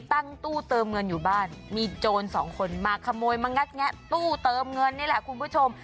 ตั้งตู้เติมเงินอยู่บ้านมีโจรสองคนมาขโมยมางัดแงะตู้เติมเงินนี่แหละคุณผู้ชม